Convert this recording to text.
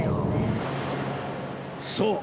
そう！